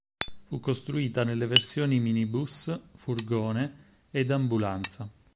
Fu costruita nelle versioni minibus, furgone ed ambulanza.